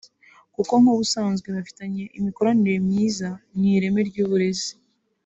kuko n’ubusanzwe bafitanye imikoranire myiza mu ireme ry’uburezi